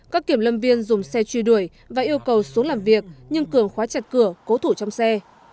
các kiểm lâm viên dùng xe truy đuổi và yêu cầu xuống làm việc nhưng cường khóa chặt cửa cố thủ trong xe